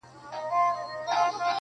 o گراني ټوله شپه مي.